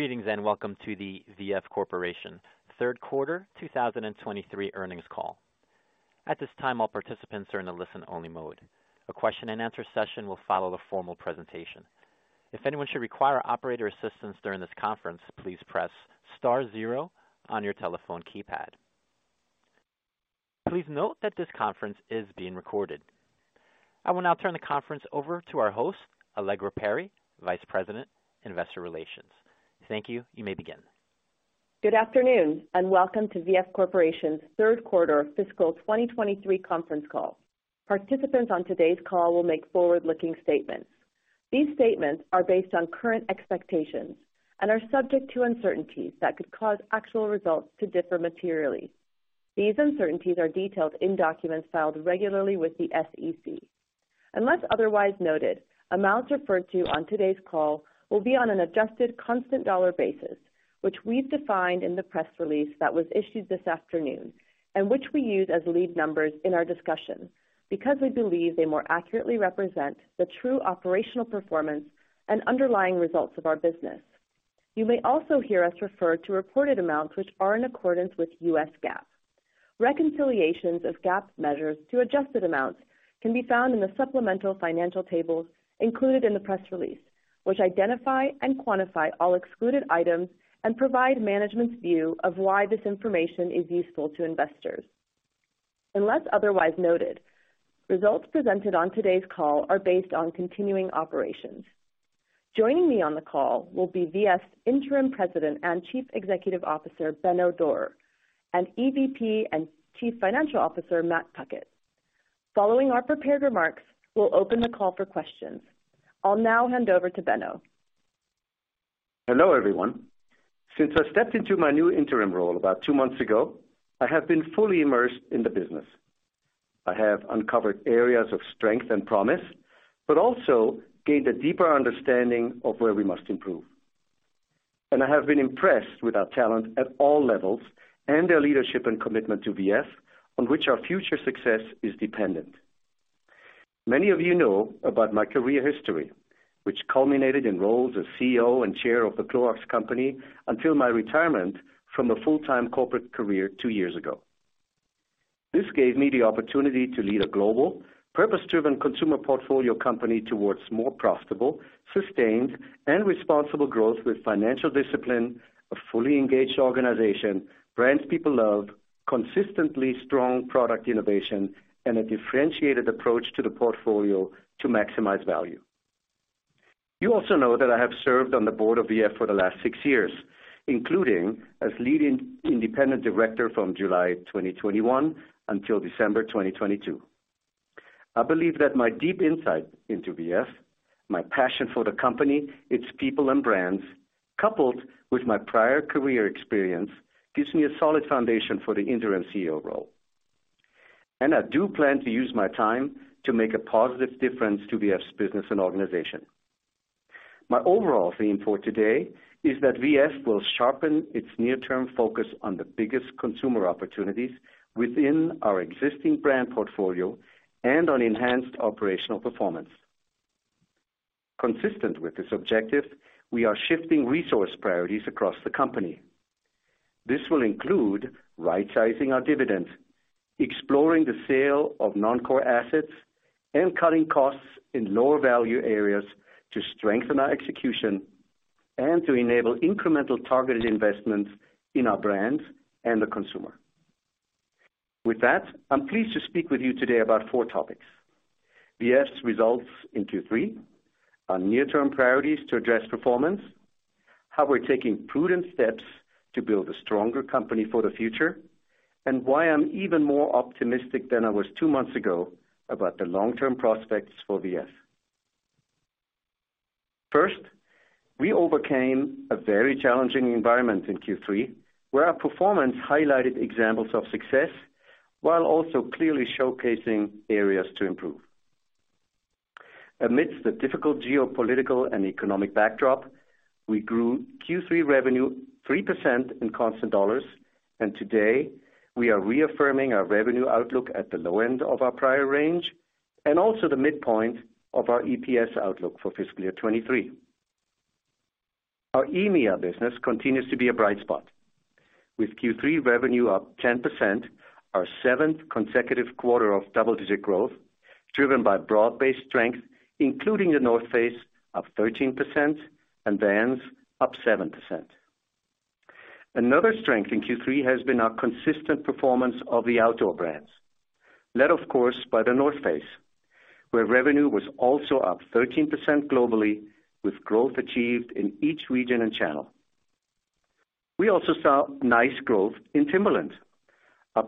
Greetings, welcome to the VF Corporation 3rd quarter 2023 earnings call. At this time, all participants are in a listen-only mode. A question and answer session will follow the formal presentation. If anyone should require operator assistance during this conference, please press star zero on your telephone keypad. Please note that this conference is being recorded. I will now turn the conference over to our host, Allegra Perry, Vice President, Investor Relations. Thank you. You may begin. Good afternoon, and welcome to VF Corporation's 3rd quarter fiscal 2023 conference call. Participants on today's call will make forward-looking statements. These statements are based on current expectations and are subject to uncertainties that could cause actual results to differ materially. These uncertainties are detailed in documents filed regularly with the SEC. Unless otherwise noted, amounts referred to on today's call will be on an adjusted constant dollar basis, which we've defined in the press release that was issued this afternoon and which we use as lead numbers in our discussion because we believe they more accurately represent the true operational performance and underlying results of our business. You may also hear us refer to reported amounts which are in accordance with U.S. GAAP. Reconciliations of GAAP measures to adjusted amounts can be found in the supplemental financial tables included in the press release, which identify and quantify all excluded items and provide management's view of why this information is useful to investors. Unless otherwise noted, results presented on today's call are based on continuing operations. Joining me on the call will be VF's Interim President and Chief Executive Officer, Benno Dorer, and EVP and Chief Financial Officer, Matt Puckett. Following our prepared remarks, we'll open the call for questions. I'll now hand over to Benno. Hello, everyone. Since I stepped into my new interim role about two months ago, I have been fully immersed in the business. I have uncovered areas of strength and promise, but also gained a deeper understanding of where we must improve. I have been impressed with our talent at all levels and their leadership and commitment to VF, on which our future success is dependent. Many of you know about my career history, which culminated in roles as CEO and Chair of The Clorox Company until my retirement from a full-time corporate career two years ago. This gave me the opportunity to lead a global, purpose-driven consumer portfolio company towards more profitable, sustained, and responsible growth with financial discipline, a fully engaged organization, brands people love, consistently strong product innovation, and a differentiated approach to the portfolio to maximize value. You also know that I have served on the board of VF for the last six years, including as lead independent director from July 2021 until December 2022. I believe that my deep insight into VF, my passion for the company, its people and brands, coupled with my prior career experience, gives me a solid foundation for the interim CEO role. I do plan to use my time to make a positive difference to VF's business and organization. My overall theme for today is that VF will sharpen its near-term focus on the biggest consumer opportunities within our existing brand portfolio and on enhanced operational performance. Consistent with this objective, we are shifting resource priorities across the company. This will include rightsizing our dividend, exploring the sale of non-core assets, and cutting costs in lower value areas to strengthen our execution and to enable incremental targeted investments in our brands and the consumer. With that, I'm pleased to speak with you today about four topics. VF's results in Q3, our near-term priorities to address performance, how we're taking prudent steps to build a stronger company for the future, and why I'm even more optimistic than I was two months ago about the long-term prospects for VF. First, we overcame a very challenging environment in Q3, where our performance highlighted examples of success while also clearly showcasing areas to improve. Amidst the difficult geopolitical and economic backdrop, we grew Q3 revenue 3% in constant dollars, today we are reaffirming our revenue outlook at the low end of our prior range and also the midpoint of our EPS outlook for fiscal year 2023. Our EMEA business continues to be a bright spot. With Q3 revenue up 10%, our seventh consecutive quarter of double-digit growth, driven by broad-based strength, including The North Face, up 13%, and Vans, up 7%. Another strength in Q3 has been our consistent performance of the outdoor brands, led of course by The North Face, where revenue was also up 13% globally, with growth achieved in each region and channel. We also saw nice growth in Timberland, up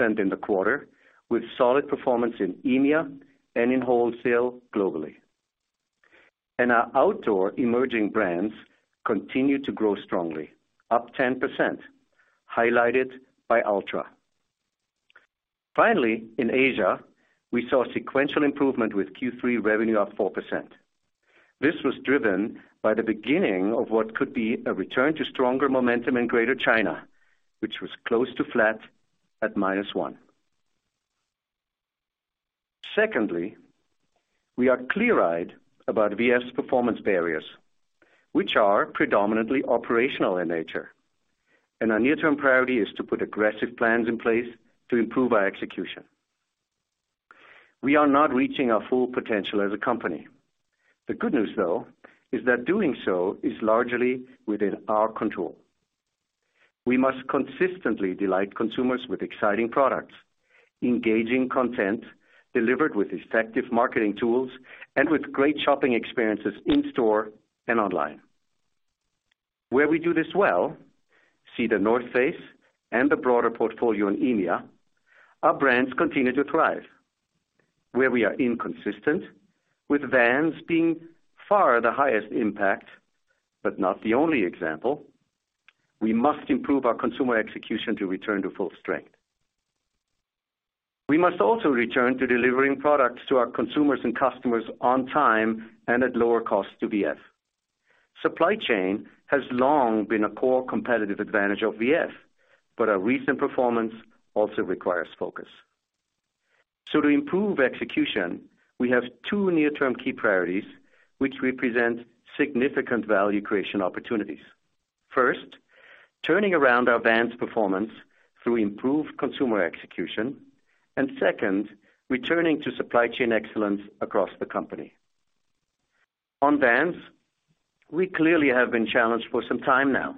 6% in the quarter, with solid performance in EMEA and in wholesale globally. Our outdoor emerging brands continue to grow strongly, up 10%, highlighted by Altra. Finally, in Asia, we saw sequential improvement with Q3 revenue up 4%. This was driven by the beginning of what could be a return to stronger momentum in Greater China, which was close to flat at -1%. Secondly, we are clear-eyed about VF's performance barriers, which are predominantly operational in nature, and our near-term priority is to put aggressive plans in place to improve our execution. We are not reaching our full potential as a company. The good news, though, is that doing so is largely within our control. We must consistently delight consumers with exciting products, engaging content delivered with effective marketing tools, and with great shopping experiences in store and online. Where we do this well, see The North Face and the broader portfolio in EMEA, our brands continue to thrive. Where we are inconsistent, with Vans being far the highest impact, but not the only example, we must improve our consumer execution to return to full strength. We must also return to delivering products to our consumers and customers on time and at lower cost to VF. Supply chain has long been a core competitive advantage of VF, but our recent performance also requires focus. To improve execution, we have two near-term key priorities which represent significant value creation opportunities. First, turning around our Vans performance through improved consumer execution. Second, returning to supply chain excellence across the company. On Vans, we clearly have been challenged for some time now.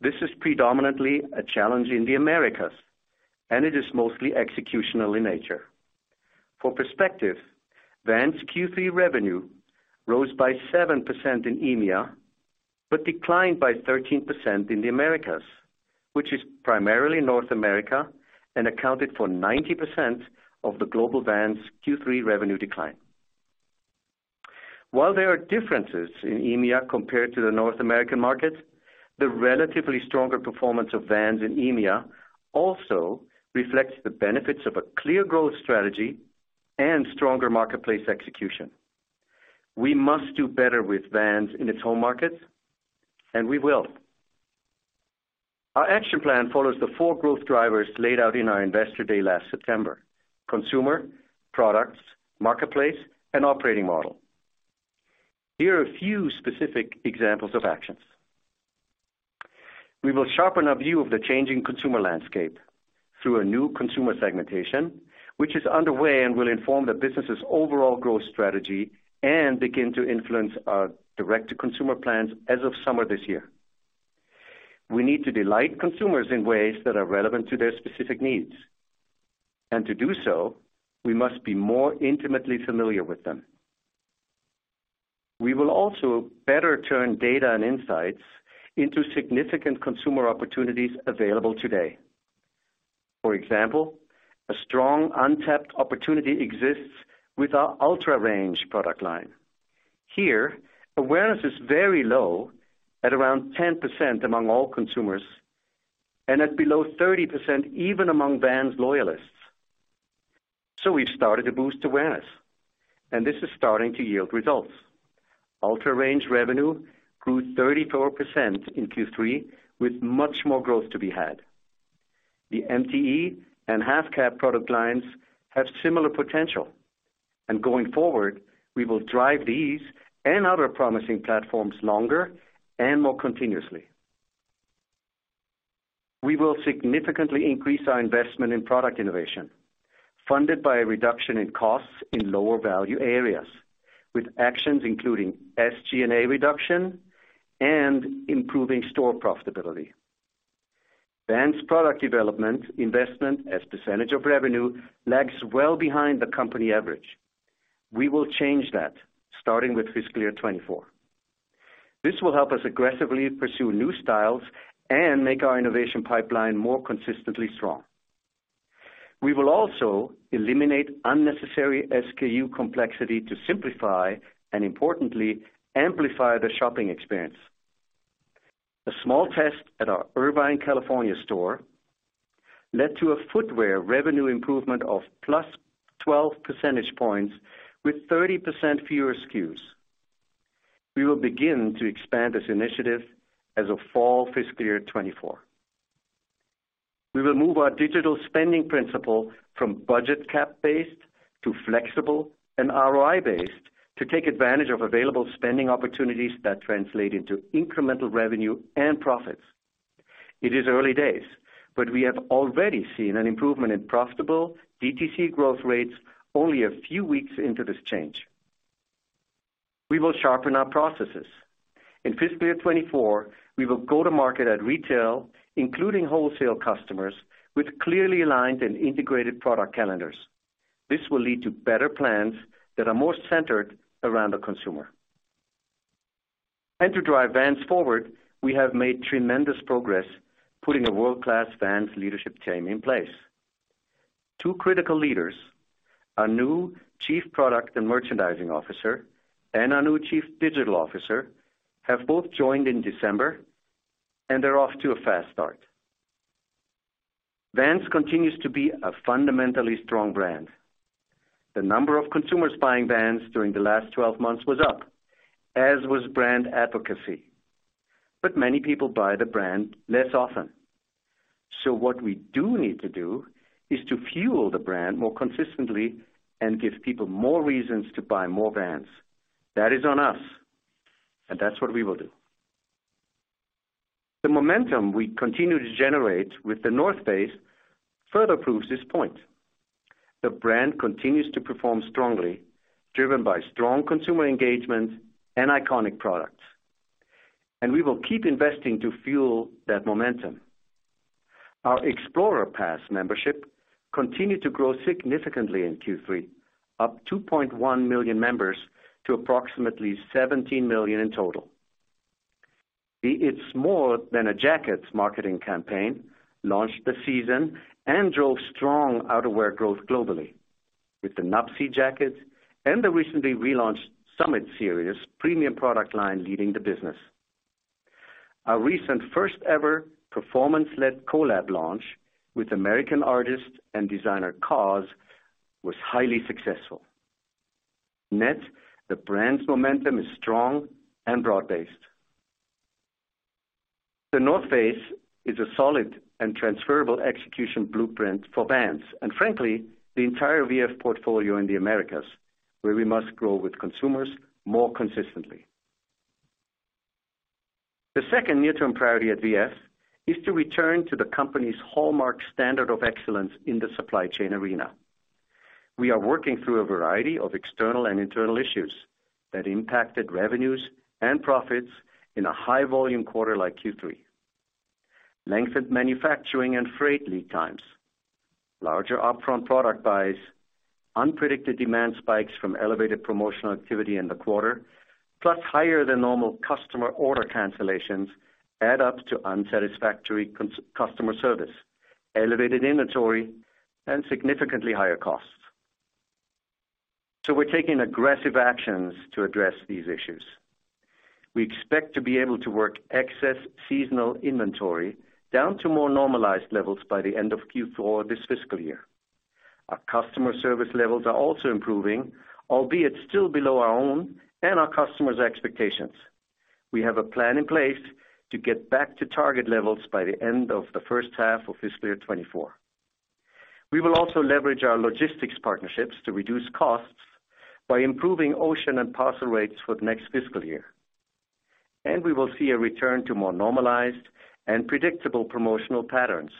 This is predominantly a challenge in the Americas, It is mostly executional in nature. For perspective, Vans' Q3 revenue rose by 7% in EMEA, but declined by 13% in the Americas, which is primarily North America and accounted for 90% of the global Vans Q3 revenue decline. While there are differences in EMEA compared to the North American market, the relatively stronger performance of Vans in EMEA also reflects the benefits of a clear growth strategy and stronger marketplace execution. We must do better with Vans in its home markets, and we will. Our action plan follows the four growth drivers laid out in our Investor Day last September: consumer, products, marketplace, and operating model. Here are a few specific examples of actions. We will sharpen our view of the changing consumer landscape through a new consumer segmentation, which is underway and will inform the business's overall growth strategy and begin to influence our direct-to-consumer plans as of summer this year. We need to delight consumers in ways that are relevant to their specific needs. To do so, we must be more intimately familiar with them. We will also better turn data and insights into significant consumer opportunities available today. For example, a strong untapped opportunity exists with our UltraRange product line. Here, awareness is very low at around 10% among all consumers and at below 30% even among Vans loyalists. We've started to boost awareness, and this is starting to yield results. UltraRange revenue grew 34% in Q3, with much more growth to be had. The MTE and Half Cab product lines have similar potential. Going forward, we will drive these and other promising platforms longer and more continuously. We will significantly increase our investment in product innovation, funded by a reduction in costs in lower value areas, with actions including SG&A reduction and improving store profitability. Vans product development investment as % of revenue lags well behind the company average. We will change that, starting with fiscal year 2024. This will help us aggressively pursue new styles and make our innovation pipeline more consistently strong. We will also eliminate unnecessary SKU complexity to simplify and, importantly, amplify the shopping experience. A small test at our Irvine, California store led to a footwear revenue improvement of +12 percentage points with 30% fewer SKUs. We will begin to expand this initiative as of fall fiscal year 2024. We will move our digital spending principle from budget cap-based to flexible and ROI-based to take advantage of available spending opportunities that translate into incremental revenue and profits. It is early days, but we have already seen an improvement in profitable DTC growth rates only a few weeks into this change. We will sharpen our processes. In fiscal year 2024, we will go to market at retail, including wholesale customers, with clearly aligned and integrated product calendars. This will lead to better plans that are more centered around the consumer. To drive Vans forward, we have made tremendous progress putting a world-class Vans leadership team in place. Two critical leaders, our new chief product and merchandising officer and our new chief digital officer, have both joined in December, and they're off to a fast start. Vans continues to be a fundamentally strong brand. The number of consumers buying Vans during the last 12 months was up, as was brand advocacy. Many people buy the brand less often. What we do need to do is to fuel the brand more consistently and give people more reasons to buy more Vans. That is on us, and that's what we will do. The momentum we continue to generate with The North Face further proves this point. The brand continues to perform strongly, driven by strong consumer engagement and iconic products, and we will keep investing to fuel that momentum. Our XPLR Pass membership continued to grow significantly in Q3, up 2.1 million members to approximately 17 million in total. The It's More Than A Jacket marketing campaign launched the season and drove strong outerwear growth globally, with the Nuptse jacket and the recently relaunched Summit Series premium product line leading the business. Our recent first-ever performance-led collab launch with American artist and designer KAWS was highly successful. The brand's momentum is strong and broad-based. The North Face is a solid and transferable execution blueprint for Vans, and frankly, the entire VF portfolio in the Americas, where we must grow with consumers more consistently. The second near-term priority at VF is to return to the company's hallmark standard of excellence in the supply chain arena. We are working through a variety of external and internal issues that impacted revenues and profits in a high volume quarter like Q3. Lengthened manufacturing and freight lead times, larger upfront product buys, unpredicted demand spikes from elevated promotional activity in the quarter, plus higher than normal customer order cancellations add up to unsatisfactory customer service, elevated inventory, and significantly higher costs. We're taking aggressive actions to address these issues. We expect to be able to work excess seasonal inventory down to more normalized levels by the end of Q4 this fiscal year. Our customer service levels are also improving, albeit still below our own and our customers' expectations. We have a plan in place to get back to target levels by the end of the first half of fiscal year 2024. We will also leverage our logistics partnerships to reduce costs by improving ocean and parcel rates for the next fiscal year. We will see a return to more normalized and predictable promotional patterns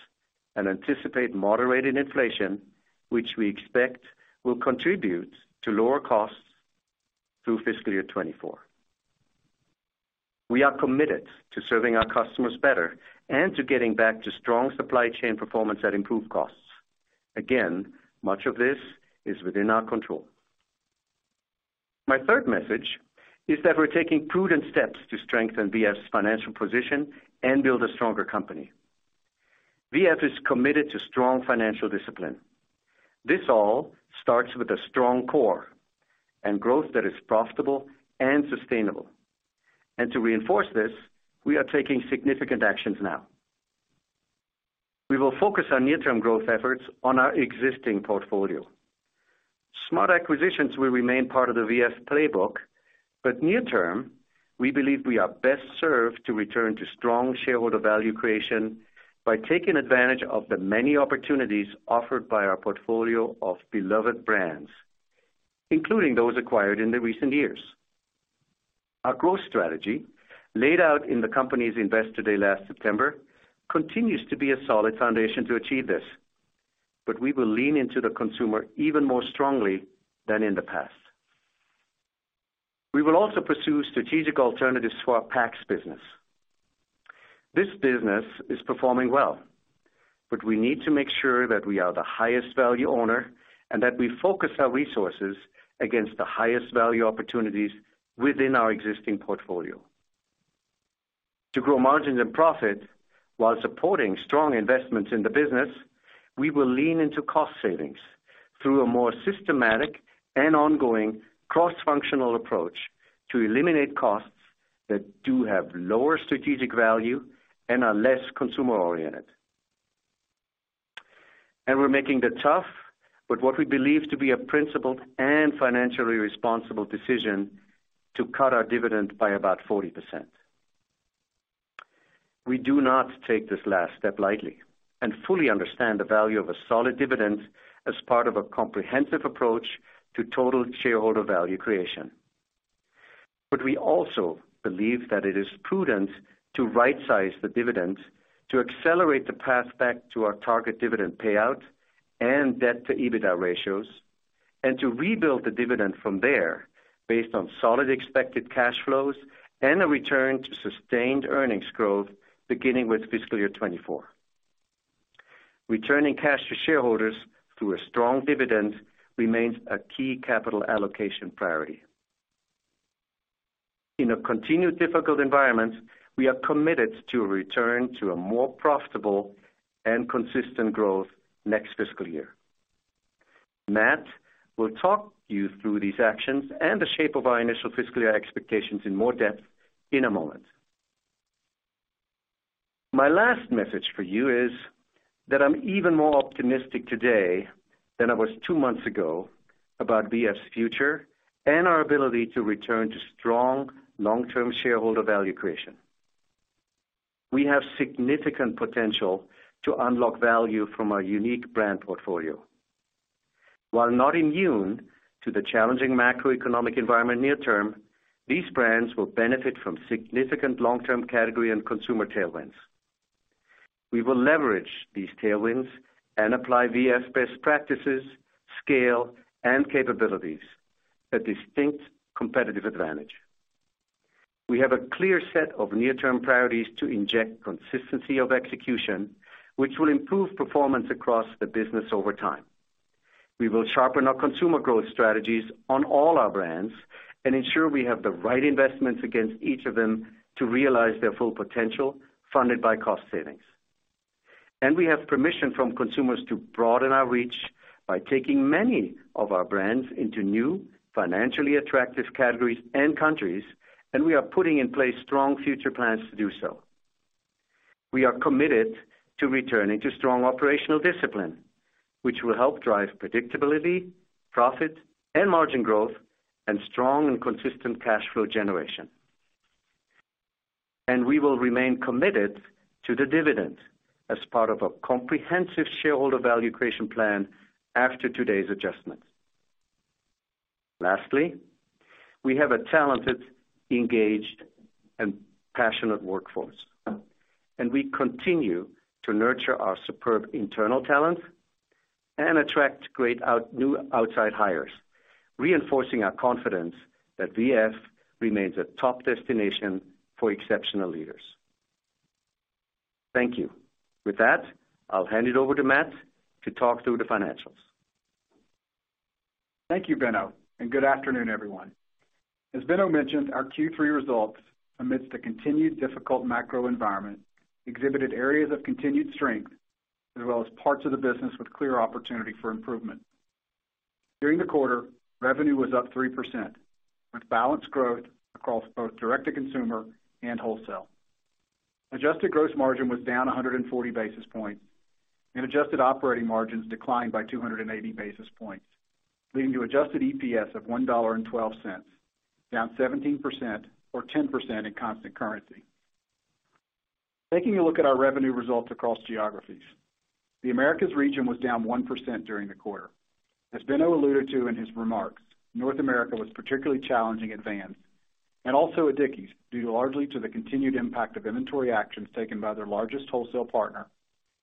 and anticipate moderated inflation, which we expect will contribute to lower costs through fiscal year 2024. We are committed to serving our customers better and to getting back to strong supply chain performance at improved costs. Again, much of this is within our control. My third message is that we're taking prudent steps to strengthen VF's financial position and build a stronger company. VF is committed to strong financial discipline. This all starts with a strong core and growth that is profitable and sustainable. To reinforce this, we are taking significant actions now. We will focus our near-term growth efforts on our existing portfolio. Smart acquisitions will remain part of the VF playbook, near term, we believe we are best served to return to strong shareholder value creation by taking advantage of the many opportunities offered by our portfolio of beloved brands, including those acquired in the recent years. Our growth strategy, laid out in the company's Investor Day last September, continues to be a solid foundation to achieve this, we will lean into the consumer even more strongly than in the past. We will also pursue strategic alternatives for our Packs business. This business is performing well, but we need to make sure that we are the highest value owner and that we focus our resources against the highest value opportunities within our existing portfolio. To grow margins and profit while supporting strong investments in the business, we will lean into cost savings through a more systematic and ongoing cross-functional approach to eliminate costs that do have lower strategic value and are less consumer-oriented. We're making the tough, but what we believe to be a principled and financially responsible decision to cut our dividend by about 40%. We do not take this last step lightly and fully understand the value of a solid dividend as part of a comprehensive approach to total shareholder value creation. We also believe that it is prudent to rightsize the dividend to accelerate the path back to our target dividend payout and debt to EBITDA ratios and to rebuild the dividend from there based on solid expected cash flows and a return to sustained earnings growth beginning with fiscal year 2024. Returning cash to shareholders through a strong dividend remains a key capital allocation priority. In a continued difficult environment, we are committed to a return to a more profitable and consistent growth next fiscal year. Matt will talk you through these actions and the shape of our initial fiscal year expectations in more depth in a moment. My last message for you is that I'm even more optimistic today than I was two months ago about VF's future and our ability to return to strong long-term shareholder value creation. We have significant potential to unlock value from our unique brand portfolio. While not immune to the challenging macroeconomic environment near term, these brands will benefit from significant long-term category and consumer tailwinds. We will leverage these tailwinds and apply VF's best practices, scale, and capabilities, a distinct competitive advantage. We have a clear set of near-term priorities to inject consistency of execution, which will improve performance across the business over time. We will sharpen our consumer growth strategies on all our brands and ensure we have the right investments against each of them to realize their full potential funded by cost savings. We have permission from consumers to broaden our reach by taking many of our brands into new financially attractive categories and countries, and we are putting in place strong future plans to do so. We are committed to returning to strong operational discipline, which will help drive predictability, profit, and margin growth and strong and consistent cash flow generation. We will remain committed to the dividend as part of a comprehensive shareholder value creation plan after today's adjustments. Lastly, we have a talented, engaged, and passionate workforce, and we continue to nurture our superb internal talent and attract great new outside hires, reinforcing our confidence that VF remains a top destination for exceptional leaders. Thank you. With that, I'll hand it over to Matt to talk through the financials. Thank you, Benno, and good afternoon, everyone. As Benno mentioned, our Q3 results amidst a continued difficult macro environment exhibited areas of continued strength, as well as parts of the business with clear opportunity for improvement. During the quarter, revenue was up 3%, with balanced growth across both direct-to-consumer and wholesale. Adjusted gross margin was down 140 basis points, and adjusted operating margins declined by 280 basis points, leading to adjusted EPS of $1.12, down 17% or 10% in constant currency. Taking a look at our revenue results across geographies. The Americas region was down 1% during the quarter. As Benno alluded to in his remarks, North America was particularly challenging at Vans and also at Dickies, due largely to the continued impact of inventory actions taken by their largest wholesale partner,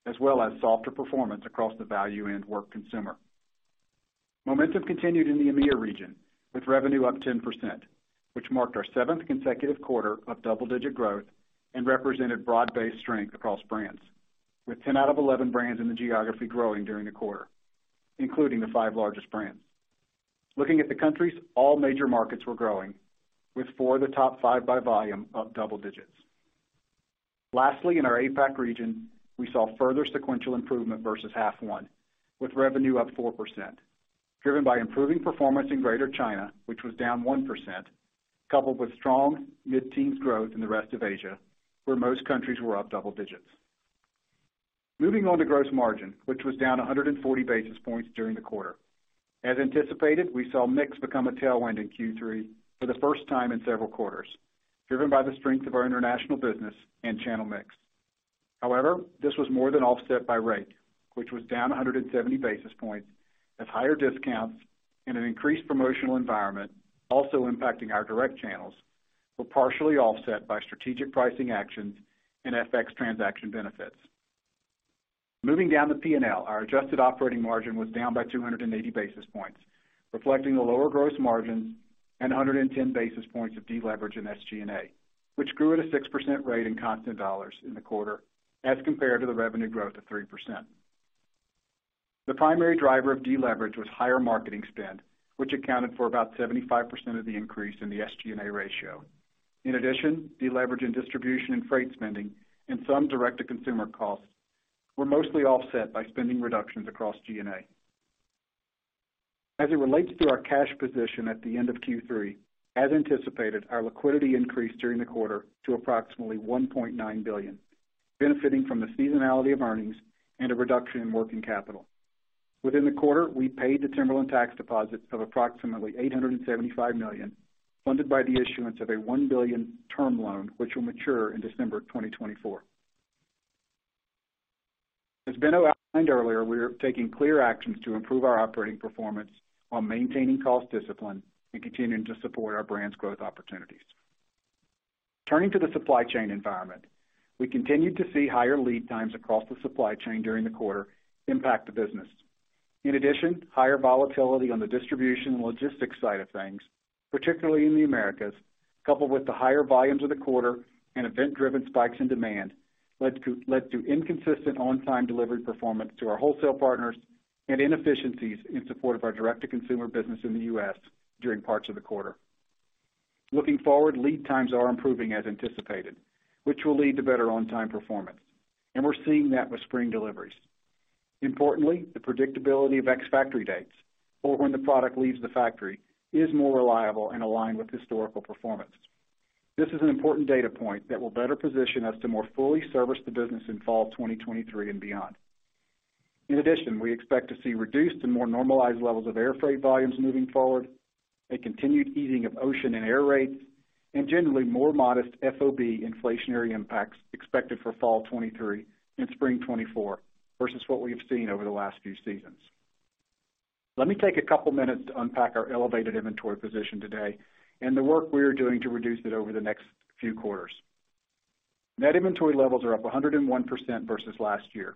as well as softer performance across the value and work consumer. Momentum continued in the EMEA region, with revenue up 10%, which marked our seventh consecutive quarter of double-digit growth and represented broad-based strength across brands, with 10 out of 11 brands in the geography growing during the quarter, including the five largest brands. Looking at the countries, all major markets were growing, with four of the top five by volume up double digits. Lastly, in our APAC region, we saw further sequential improvement versus half one, with revenue up 4%, driven by improving performance in Greater China, which was down 1%, coupled with strong mid-teens growth in the rest of Asia, where most countries were up double digits. Moving on to gross margin, which was down 140 basis points during the quarter. As anticipated, we saw mix become a tailwind in Q3 for the first time in several quarters, driven by the strength of our international business and channel mix. This was more than offset by rate, which was down 170 basis points as higher discounts and an increased promotional environment also impacting our direct channels, were partially offset by strategic pricing actions and FX transaction benefits. Moving down to P&L, our adjusted operating margin was down by 280 basis points, reflecting the lower gross margins and 110 basis points of deleverage in SG&A, which grew at a 6% rate in constant dollars in the quarter as compared to the revenue growth of 3%. The primary driver of deleverage was higher marketing spend, which accounted for about 75% of the increase in the SG&A ratio. Deleverage in distribution and freight spending and some direct-to-consumer costs were mostly offset by spending reductions across G&A. As it relates to our cash position at the end of Q3, as anticipated, our liquidity increased during the quarter to approximately $1.9 billion, benefiting from the seasonality of earnings and a reduction in working capital. Within the quarter, we paid the Timberland tax deposit of approximately $875 million, funded by the issuance of a $1 billion term loan, which will mature in December 2024. As Benno outlined earlier, we are taking clear actions to improve our operating performance while maintaining cost discipline and continuing to support our brands' growth opportunities. Turning to the supply chain environment. We continued to see higher lead times across the supply chain during the quarter impact the business. In addition, higher volatility on the distribution and logistics side of things, particularly in the Americas, coupled with the higher volumes of the quarter and event-driven spikes in demand, led to inconsistent on-time delivery performance to our wholesale partners and inefficiencies in support of our direct-to-consumer business in the U.S. during parts of the quarter. Looking forward, lead times are improving as anticipated, which will lead to better on-time performance, and we're seeing that with spring deliveries. Importantly, the predictability of ex-factory dates or when the product leaves the factory is more reliable and aligned with historical performance. This is an important data point that will better position us to more fully service the business in fall 2023 and beyond. In addition, we expect to see reduced and more normalized levels of air freight volumes moving forward, a continued easing of ocean and air rates, and generally more modest FOB inflationary impacts expected for fall 2023 and spring 2024 versus what we have seen over the last few seasons. Let me take a couple minutes to unpack our elevated inventory position today and the work we are doing to reduce it over the next few quarters. Net inventory levels are up 101% versus last year,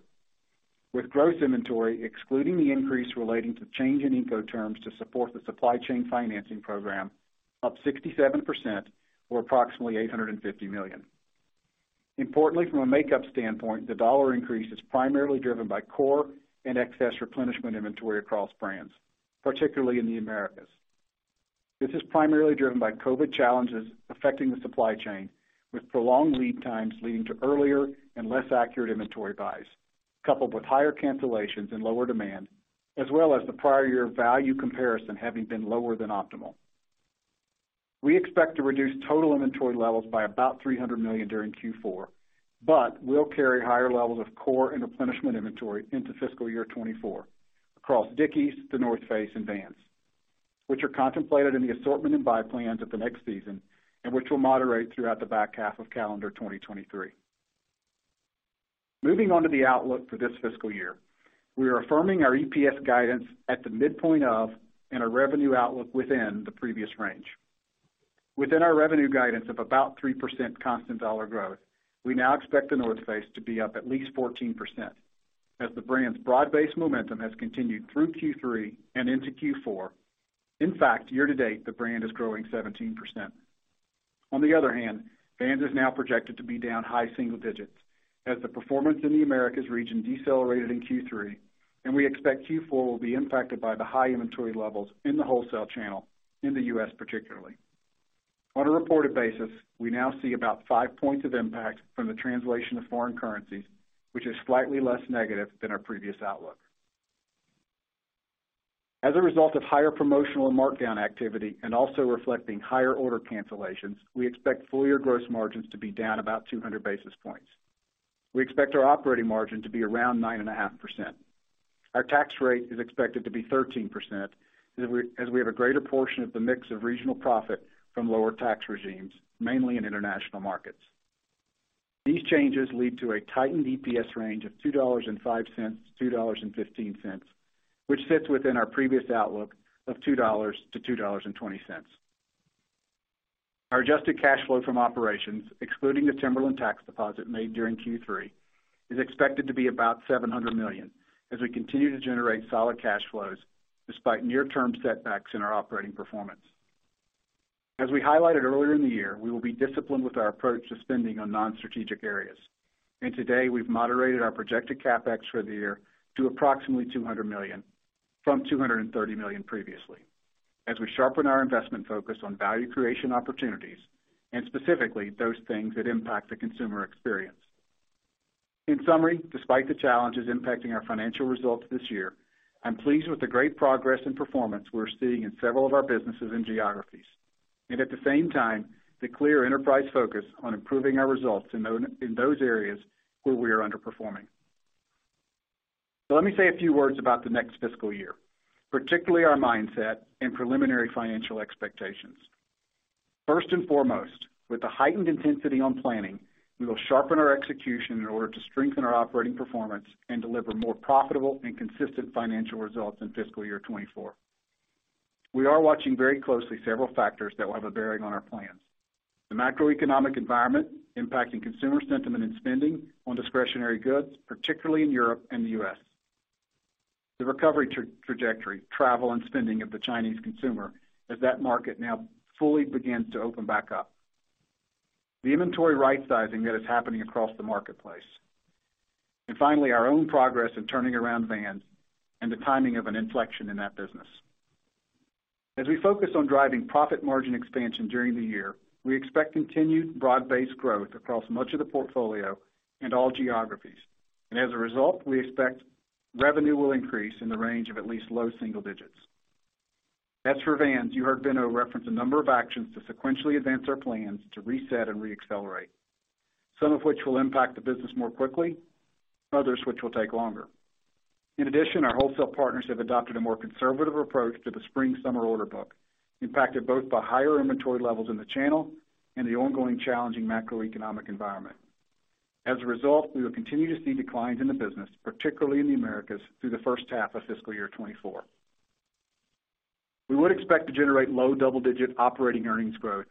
with gross inventory, excluding the increase relating to change in payment terms to support the supply chain financing program, up 67% or approximately $850 million. From a makeup standpoint, the dollar increase is primarily driven by core and excess replenishment inventory across brands, particularly in the Americas. This is primarily driven by COVID challenges affecting the supply chain, with prolonged lead times leading to earlier and less accurate inventory buys, coupled with higher cancellations and lower demand, as well as the prior year value comparison having been lower than optimal. We expect to reduce total inventory levels by about $300 million during Q4, but will carry higher levels of core and replenishment inventory into fiscal year 2024 across Dickies, The North Face, and Vans, which are contemplated in the assortment and buy plans of the next season, and which will moderate throughout the back half of calendar 2023. Moving on to the outlook for this fiscal year. We are affirming our EPS guidance at the midpoint of and our revenue outlook within the previous range. Within our revenue guidance of about 3% constant dollar growth, we now expect The North Face to be up at least 14% as the brand's broad-based momentum has continued through Q3 and into Q4. In fact, year-to-date, the brand is growing 17%. On the other hand, Vans is now projected to be down high single digits as the performance in the Americas region decelerated in Q3, and we expect Q4 will be impacted by the high inventory levels in the wholesale channel in the U.S., particularly. On a reported basis, we now see about five points of impact from the translation of foreign currencies, which is slightly less negative than our previous outlook. As a result of higher promotional markdown activity and also reflecting higher order cancellations, we expect full-year gross margins to be down about 200 basis points. We expect our operating margin to be around 9.5%. Our tax rate is expected to be 13% as we have a greater portion of the mix of regional profit from lower tax regimes, mainly in international markets. These changes lead to a tightened EPS range of $2.05-$2.15, which sits within our previous outlook of $2.00-$2.20. Our adjusted cash flow from operations, excluding the Timberland tax deposit made during Q3, is expected to be about $700 million as we continue to generate solid cash flows despite near-term setbacks in our operating performance. As we highlighted earlier in the year, we will be disciplined with our approach to spending on non-strategic areas. Today, we've moderated our projected CapEx for the year to approximately $200 million from $230 million previously as we sharpen our investment focus on value creation opportunities and specifically those things that impact the consumer experience. In summary, despite the challenges impacting our financial results this year, I'm pleased with the great progress and performance we're seeing in several of our businesses and geographies, and at the same time, the clear enterprise focus on improving our results in those areas where we are underperforming. Let me say a few words about the next fiscal year, particularly our mindset and preliminary financial expectations. First and foremost, with a heightened intensity on planning, we will sharpen our execution in order to strengthen our operating performance and deliver more profitable and consistent financial results in fiscal year 2024. We are watching very closely several factors that will have a bearing on our plans. The macroeconomic environment impacting consumer sentiment and spending on discretionary goods, particularly in Europe and the U.S. The recovery trajectory, travel, and spending of the Chinese consumer as that market now fully begins to open back up. The inventory rightsizing that is happening across the marketplace. Finally, our own progress in turning around Vans and the timing of an inflection in that business. As we focus on driving profit margin expansion during the year, we expect continued broad-based growth across much of the portfolio and all geographies. As a result, we expect revenue will increase in the range of at least low single digits. As for Vans, you heard Benno reference a number of actions to sequentially advance our plans to reset and re-accelerate, some of which will impact the business more quickly, others which will take longer. In addition, our wholesale partners have adopted a more conservative approach to the spring-summer order book, impacted both by higher inventory levels in the channel and the ongoing challenging macroeconomic environment. We will continue to see declines in the business, particularly in the Americas, through the first half of fiscal year 2024. We would expect to generate low double-digit operating earnings growth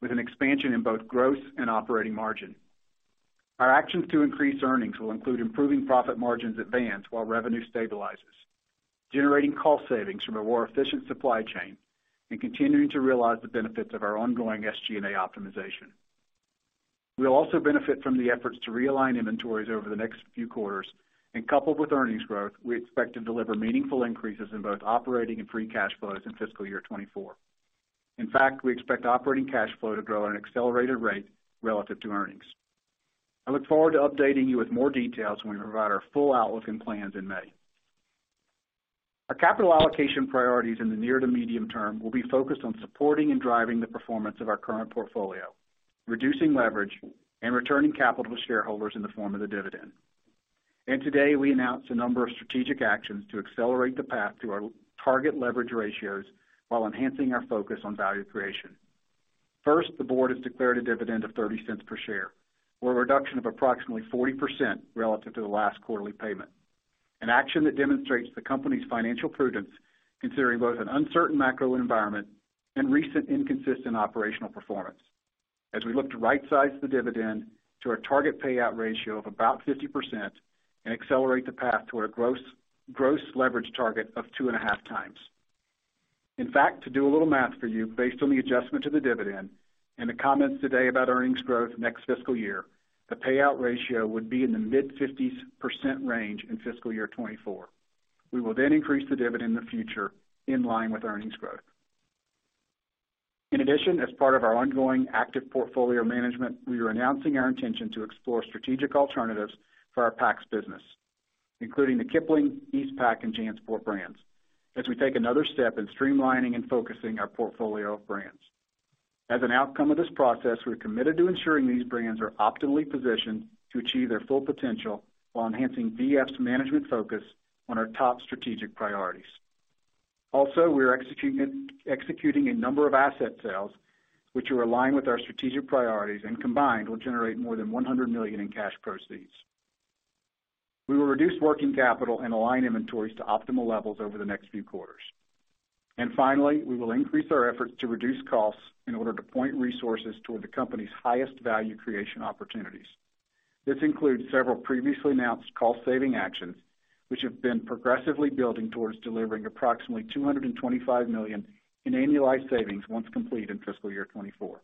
with an expansion in both gross and operating margin. Our actions to increase earnings will include improving profit margins at Vans while revenue stabilizes, generating cost savings from a more efficient supply chain, and continuing to realize the benefits of our ongoing SG&A optimization. We'll also benefit from the efforts to realign inventories over the next few quarters and coupled with earnings growth, we expect to deliver meaningful increases in both operating and free cash flows in fiscal year 2024. In fact, we expect operating cash flow to grow at an accelerated rate relative to earnings. I look forward to updating you with more details when we provide our full outlook and plans in May. Our capital allocation priorities in the near to medium term will be focused on supporting and driving the performance of our current portfolio, reducing leverage and returning capital to shareholders in the form of the dividend. Today, we announced a number of strategic actions to accelerate the path to our target leverage ratios while enhancing our focus on value creation. First, the Board has declared a dividend of $0.30 per share or a reduction of approximately 40% relative to the last quarterly payment. An action that demonstrates the company's financial prudence, considering both an uncertain macro environment and recent inconsistent operational performance. As we look to right-size the dividend to a target payout ratio of about 50% and accelerate the path to a gross leverage target of 2.5 times. In fact, to do a little math for you, based on the adjustment to the dividend and the comments today about earnings growth next fiscal year, the payout ratio would be in the mid-50s% range in fiscal year 2024. We will then increase the dividend in the future in line with earnings growth. In addition, as part of our ongoing active portfolio management, we are announcing our intention to explore strategic alternatives for our Packs business, including the Kipling, Eastpak and JanSport brands, as we take another step in streamlining and focusing our portfolio of brands. As an outcome of this process, we're committed to ensuring these brands are optimally positioned to achieve their full potential while enhancing VF's management focus on our top strategic priorities. Also, we are executing a number of asset sales, which are aligned with our strategic priorities and combined will generate more than $100 million in cash proceeds. We will reduce working capital and align inventories to optimal levels over the next few quarters. Finally, we will increase our efforts to reduce costs in order to point resources toward the company's highest value creation opportunities. This includes several previously announced cost-saving actions, which have been progressively building towards delivering approximately $225 million in annualized savings once complete in fiscal year 2024.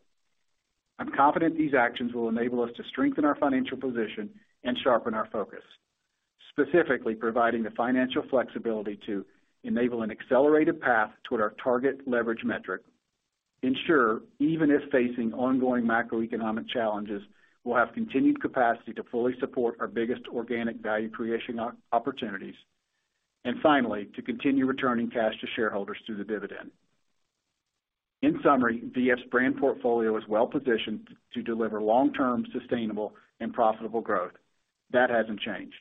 I'm confident these actions will enable us to strengthen our financial position and sharpen our focus, specifically providing the financial flexibility to enable an accelerated path toward our target leverage metric. Ensure, even if facing ongoing macroeconomic challenges, we'll have continued capacity to fully support our biggest organic value creation opportunities. Finally, to continue returning cash to shareholders through the dividend. In summary, VF's brand portfolio is well positioned to deliver long-term sustainable and profitable growth. That hasn't changed.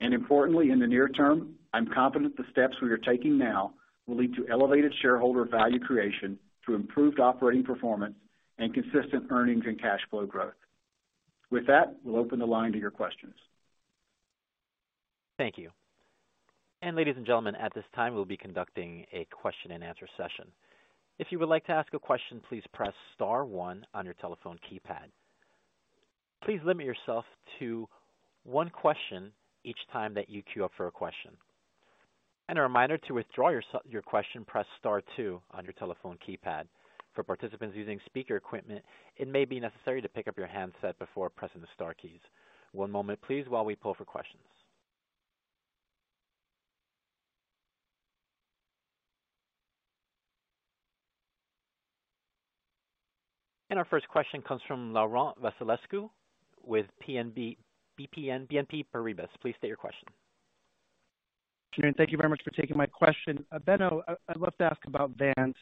Importantly, in the near term, I'm confident the steps we are taking now will lead to elevated shareholder value creation through improved operating performance and consistent earnings and cash flow growth. With that, we'll open the line to your questions. Thank you. Ladies and gentlemen, at this time, we'll be conducting a question-and-answer session. If you would like to ask a question, please press star one on your telephone keypad. Please limit yourself to one question each time that you queue up for a question. A reminder, to withdraw your question, press star two on your telephone keypad. For participants using speaker equipment, it may be necessary to pick up your handset before pressing the star keys. One moment, please, while we pull for questions. Our first question comes from Laurent Vasilescu with BNP Paribas. Please state your question. Thank you very much for taking my question. Benno, I'd love to ask about Vans.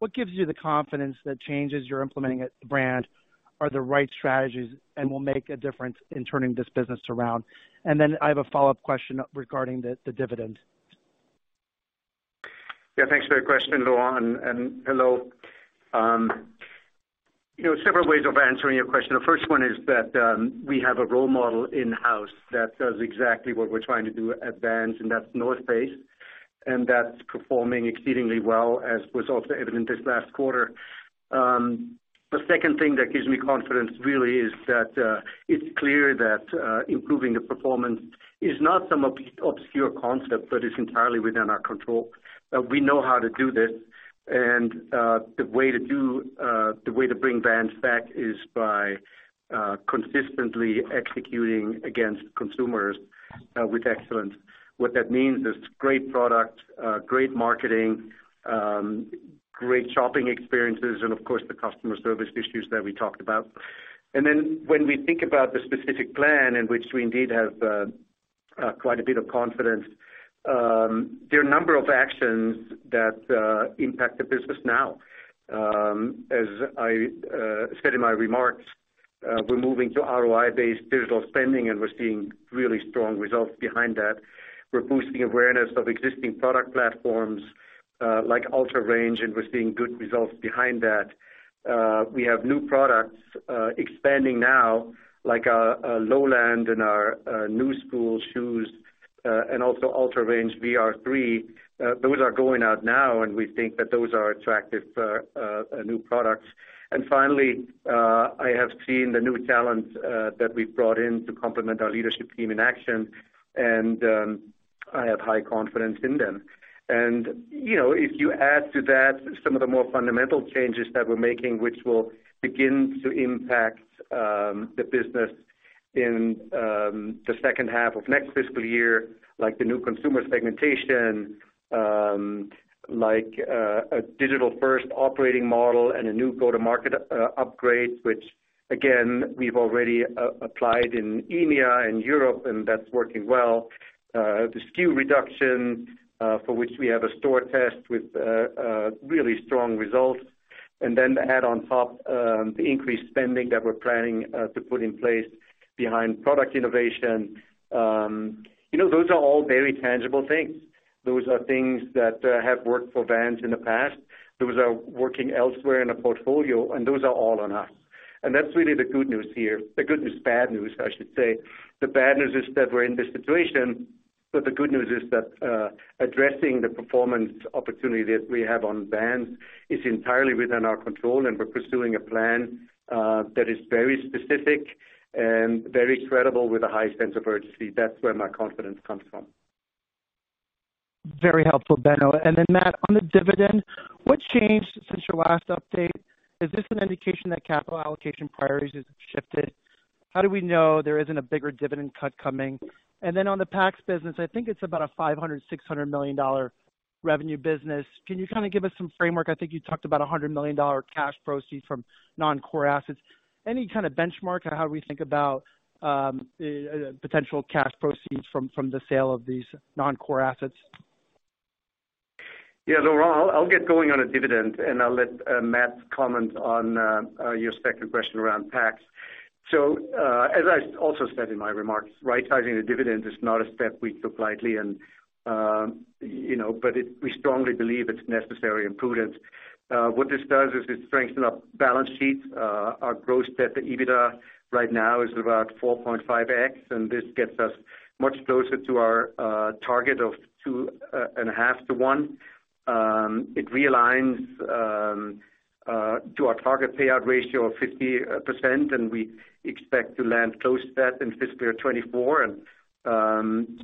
What gives you the confidence that changes you're implementing at the brand are the right strategies and will make a difference in turning this business around? I have a follow-up question regarding the dividend. Yeah, thanks for your question, Laurent, and hello. you know, several ways of answering your question. The first one is that, we have a role model in-house that does exactly what we're trying to do at Vans, and that's The North Face, and that's performing exceedingly well as was also evident this last quarter. The second thing that gives me confidence really is that, it's clear that, improving the performance is not some obscure concept, but is entirely within our control. We know how to do this. The way to bring Vans back is by consistently executing against consumers with excellence. What that means is great product, great marketing, great shopping experiences, and of course, the customer service issues that we talked about. When we think about the specific plan in which we indeed have quite a bit of confidence, there are a number of actions that impact the business now. As I said in my remarks, we're moving to ROI-based digital spending, and we're seeing really strong results behind that. We're boosting awareness of existing product platforms, like UltraRange, and we're seeing good results behind that. We have new products expanding now, like our Lowland and our Knu Skool shoes, and also UltraRange VR3. Those are going out now, and we think that those are attractive new products. Finally, I have seen the new talent that we've brought in to complement our leadership team in action, and I have high confidence in them. You know, if you add to that some of the more fundamental changes that we're making, which will begin to impact the business in the second half of next fiscal year, like the new consumer segmentation. Like a digital first operating model and a new go-to-market upgrade, which again, we've already applied in EMEA and Europe, and that's working well. The SKU reduction, for which we have a store test with really strong results. Then add on top the increased spending that we're planning to put in place behind product innovation. You know, those are all very tangible things. Those are things that have worked for Vans in the past. Those are working elsewhere in the portfolio, and those are all on us. That's really the good news here. The good news, bad news, I should say. The bad news is that we're in this situation. The good news is that, addressing the performance opportunity that we have on Vans is entirely within our control. We're pursuing a plan, that is very specific and very credible with a high sense of urgency. That's where my confidence comes from. Very helpful, Benno. Matt, on the dividend, what's changed since your last update? Is this an indication that capital allocation priorities have shifted? How do we know there isn't a bigger dividend cut coming? On the Packs business, I think it's about a $500 million-$600 million revenue business. Can you kind of give us some framework? I think you talked about a $100 million cash proceeds from non-core assets. Any kind of benchmark on how we think about potential cash proceeds from the sale of these non-core assets? Yeah, Laurent, I'll get going on a dividend, and I'll let Matt comment on your second question around Packs. As I also said in my remarks, right, sizing the dividend is not a step we took lightly and, you know, but we strongly believe it's necessary and prudent. What this does is it strengthens our balance sheet. Our gross debt to EBITDA right now is about 4.5x, and this gets us much closer to our target of 2.5-one. It realigns to our target payout ratio of 50%, and we expect to land close to that in fiscal year 2024.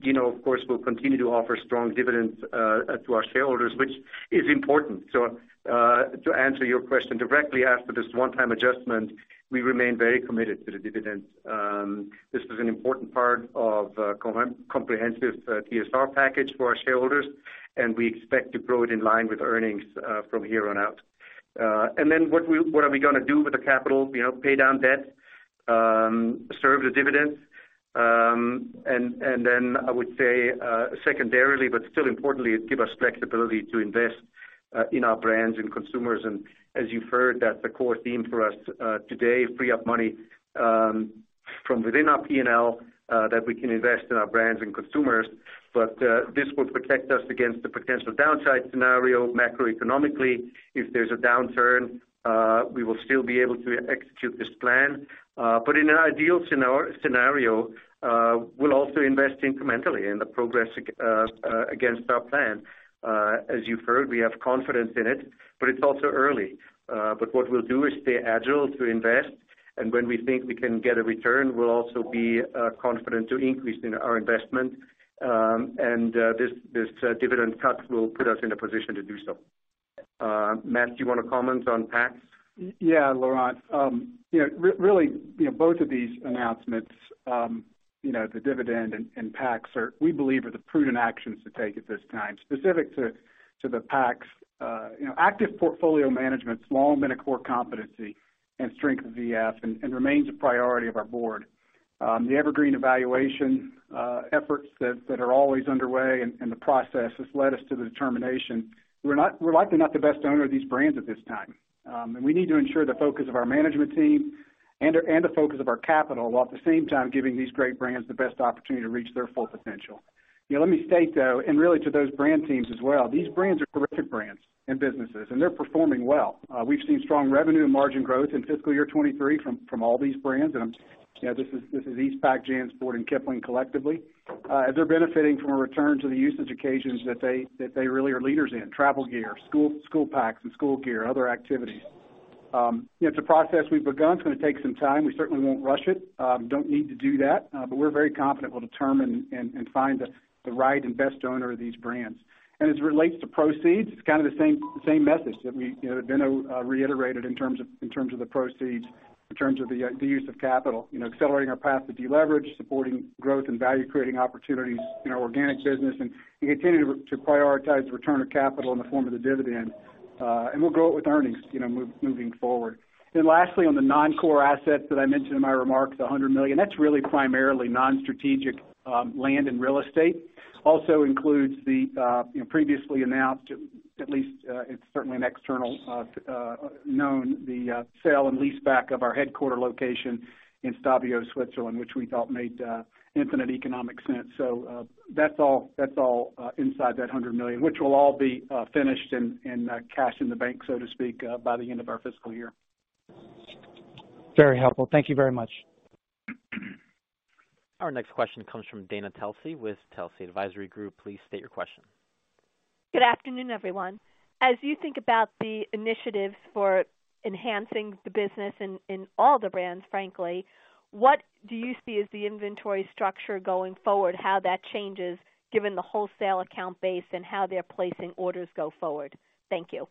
You know, of course, we'll continue to offer strong dividends to our shareholders, which is important. To answer your question directly, after this one-time adjustment, we remain very committed to the dividend. This is an important part of comprehensive TSR package for our shareholders, and we expect to grow it in line with earnings from here on out. And then what are we going to do with the capital? You know, pay down debt, serve the dividends, and then I would say secondarily, but still importantly, give us flexibility to invest in our brands and consumers. As you've heard, that's a core theme for us today, free up money from within our P&L that we can invest in our brands and consumers. This will protect us against the potential downside scenario macroeconomically. If there's a downturn, we will still be able to execute this plan. In an ideal scenario, we'll also invest incrementally in the progress against our plan. As you've heard, we have confidence in it, but it's also early. What we'll do is stay agile to invest, and when we think we can get a return, we'll also be confident to increase in our investment. This dividend cut will put us in a position to do so. Matt, do you wanna comment on Packs? Yeah, Laurent. you know, really, you know, both of these announcements, you know, the dividend and Packs are, we believe, are the prudent actions to take at this time. Specific to the Packs, you know, active portfolio management's long been a core competency and strength of VF and remains a priority of our board. The evergreen evaluation efforts that are always underway and the process has led us to the determination we're likely not the best owner of these brands at this time. We need to ensure the focus of our management team and the focus of our capital, while at the same time giving these great brands the best opportunity to reach their full potential. You know, let me state, though, and really to those brand teams as well, these brands are terrific brands and businesses, and they're performing well. We've seen strong revenue and margin growth in fiscal year 2023 from all these brands. You know, this is Eastpak, JanSport, and Kipling collectively. As they're benefiting from a return to the usage occasions that they really are leaders in: travel gear, school packs and school gear, other activities. You know, it's a process we've begun. It's gonna take some time. We certainly won't rush it. Don't need to do that. We're very confident we'll determine and find the right and best owner of these brands. As it relates to proceeds, it's kind of the same message that we, you know, Benno reiterated in terms of the proceeds, in terms of the use of capital. You know, accelerating our path to deleverage, supporting growth and value creating opportunities in our organic business, and we continue to prioritize return of capital in the form of the dividend. And we'll grow it with earnings, you know, moving forward. Lastly, on the non-core assets that I mentioned in my remarks, $100 million, that's really primarily non-strategic land and real estate. Also includes the, you know, previously announced, at least, it's certainly an external, known, the sale and leaseback of our headquarter location in Stabio, Switzerland, which we felt made infinite economic sense. That's all inside that $100 million, which will all be finished and cash in the bank, so to speak, by the end of our fiscal year. Very helpful. Thank you very much. Our next question comes from Dana Telsey with Telsey Advisory Group. Please state your question. Good afternoon, everyone. As you think about the initiatives for enhancing the business in all the brands, frankly, what do you see as the inventory structure going forward, how that changes given the wholesale account base and how they're placing orders go forward? Thank you.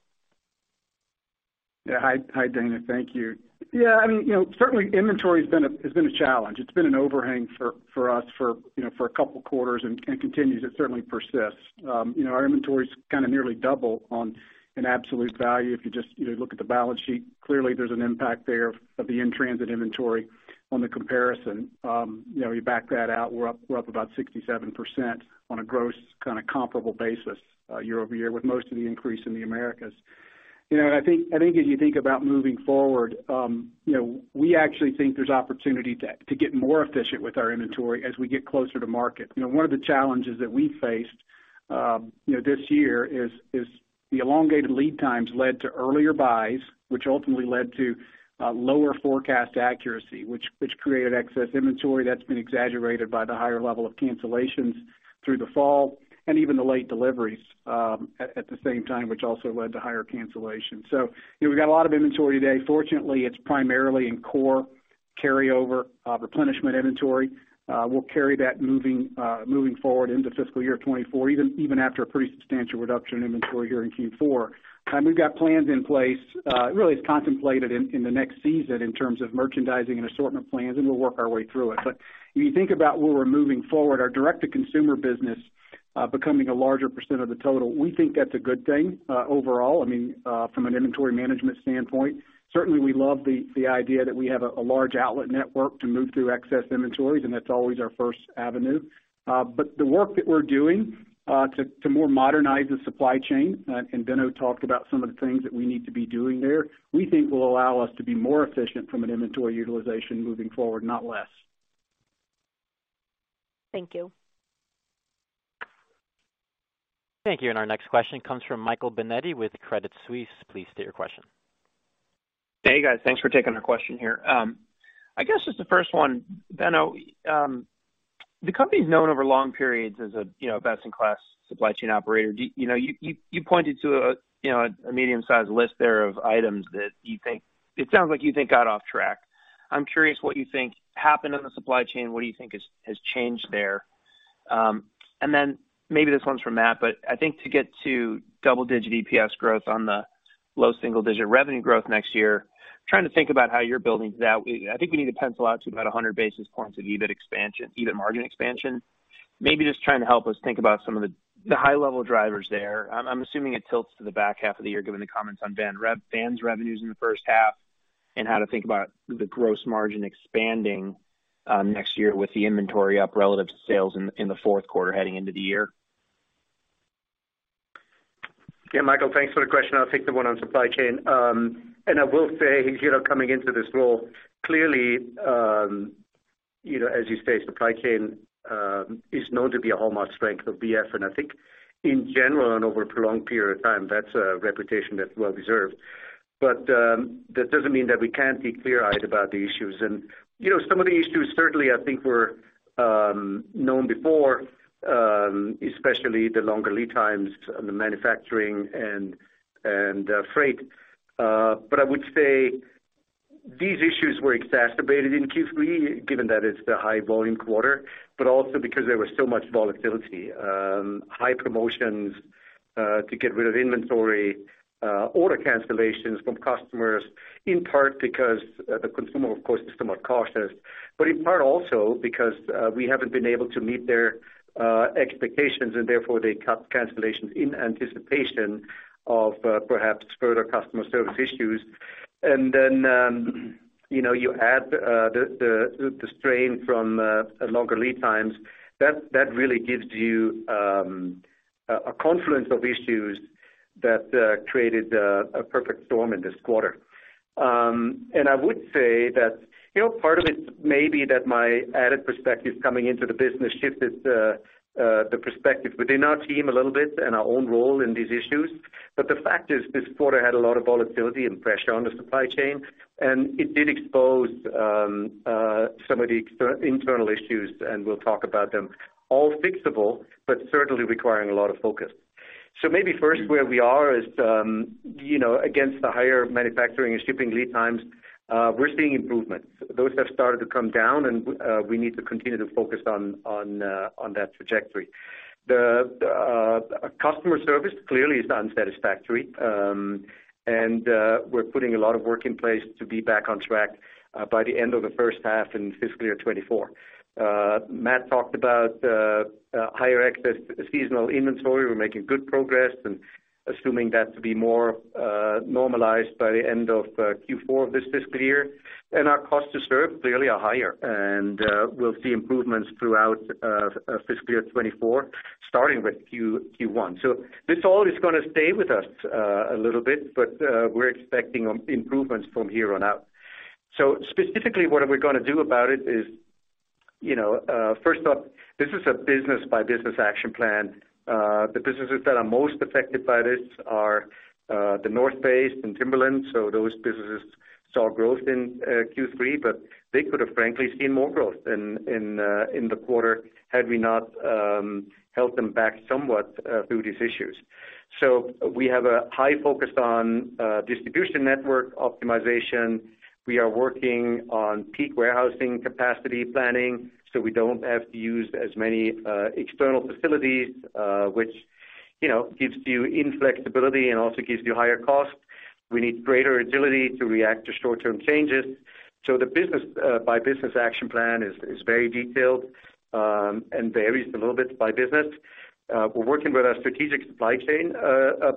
Yeah. Hi, Dana. Thank you. I mean, you know, certainly inventory has been a challenge. It's been an overhang for us for, you know, for a couple quarters and continues. It certainly persists. You know, our inventory is kinda nearly double on an absolute value. If you just, you know, look at the balance sheet, clearly there's an impact there of the in-transit inventory on the comparison. You know, you back that out, we're up about 67% on a gross kinda comparable basis YoY, with most of the increase in the Americas. You know, I think as you think about moving forward, you know, we actually think there's opportunity to get more efficient with our inventory as we get closer to market. You know, one of the challenges that we faced, you know, this year is the elongated lead times led to earlier buys, which ultimately led to lower forecast accuracy, which created excess inventory that's been exaggerated by the higher level of cancellations through the fall and even the late deliveries at the same time, which also led to higher cancellations. You know, we've got a lot of inventory today. Fortunately, it's primarily in core carryover replenishment inventory. We'll carry that moving forward into fiscal year 2024, even after a pretty substantial reduction in inventory here in Q4. We've got plans in place. Really it's contemplated in the next season in terms of merchandising and assortment plans, and we'll work our way through it. If you think about where we're moving forward, our direct to consumer business, becoming a larger percent of the total, we think that's a good thing, overall. I mean, from an inventory management standpoint. Certainly we love the idea that we have a large outlet network to move through excess inventories, and that's always our first avenue. The work that we're doing to more modernize the supply chain, and Benno talked about some of the things that we need to be doing there. We think will allow us to be more efficient from an inventory utilization moving forward, not less. Thank you. Thank you. Our next question comes from Michael Binetti with Credit Suisse. Please state your question. Hey, guys. Thanks for taking our question here. I guess just the first one, Benno, the company's known over long periods as a, you know, best in class supply chain operator. You know, you, you pointed to a, you know, a medium-sized list there of items that you think... It sounds like you think got off track. I'm curious what you think happened on the supply chain. What do you think has changed there? Then maybe this one's for Matt, but I think to get to double-digit EPS growth on the low single-digit revenue growth next year, trying to think about how you're building to that. I think we need to pencil out to about 100 basis points of EBIT expansion, EBIT margin expansion. Maybe just trying to help us think about some of the high level drivers there. I'm assuming it tilts to the back half of the year, given the comments on Vans revenues in the first half, and how to think about the gross margin expanding next year with the inventory up relative to sales in the fourth quarter heading into the year. Yeah, Michael, thanks for the question. I'll take the one on supply chain. I will say, you know, coming into this role, clearly, you know, as you say, supply chain is known to be a hallmark strength of VF. I think in general and over a prolonged period of time, that's a reputation that's well deserved. That doesn't mean that we can't be clear-eyed about the issues. You know, some of the issues certainly I think were known before, especially the longer lead times on the manufacturing and freight. I would say these issues were exacerbated in Q3, given that it's the high volume quarter, but also because there was so much volatility. High promotions to get rid of inventory, order cancellations from customers, in part because the consumer, of course, is somewhat cautious, but in part also because we haven't been able to meet their expectations and therefore they cut cancellations in anticipation of perhaps further customer service issues. You know, you add the strain from longer lead times, that really gives you a confluence of issues that created a perfect storm in this quarter. I would say that, you know, part of it may be that my added perspective coming into the business shifted the perspective within our team a little bit and our own role in these issues. The fact is this quarter had a lot of volatility and pressure on the supply chain, and it did expose some of the internal issues, and we'll talk about them. All fixable, but certainly requiring a lot of focus. Maybe first where we are is, you know, against the higher manufacturing and shipping lead times, we're seeing improvements. Those have started to come down and we need to continue to focus on that trajectory. The customer service clearly is unsatisfactory, and we're putting a lot of work in place to be back on track by the end of the first half in fiscal year 2024. Matt talked about higher excess seasonal inventory. We're making good progress assuming that to be more normalized by the end of Q4 of this fiscal year. Our cost to serve clearly are higher. We'll see improvements throughout fiscal year 2024, starting with Q1. This all is gonna stay with us a little bit, but we're expecting improvements from here on out. Specifically what we're gonna do about it is, you know, first off, this is a business by business action plan. The businesses that are most affected by this are The North Face and Timberland. Those businesses saw growth in Q3, but they could have frankly seen more growth in the quarter had we not held them back somewhat through these issues. We have a high focus on distribution network optimization. We are working on peak warehousing capacity planning, so we don't have to use as many external facilities, which, you know, gives you inflexibility and also gives you higher costs. We need greater agility to react to short-term changes. The business by business action plan is very detailed and varies a little bit by business. We're working with our strategic supply chain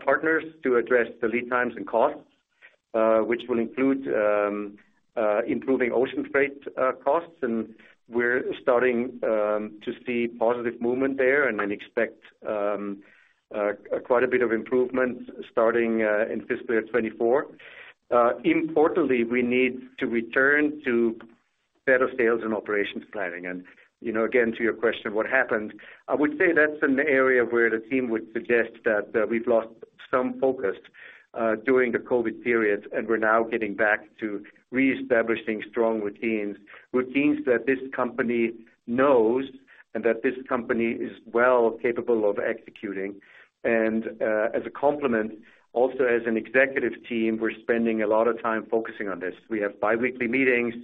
partners to address the lead times and costs, which will include improving ocean freight costs. We're starting to see positive movement there and then expect quite a bit of improvement starting in fiscal year 2024. Importantly, we need to return to better sales and operations planning. You know, again, to your question, what happened? I would say that's an area where the team would suggest that we've lost some focus during the COVID period, and we're now getting back to reestablishing strong routines. Routines that this company knows and that this company is well capable of executing. As a complement, also as an executive team, we're spending a lot of time focusing on this. We have biweekly meetings.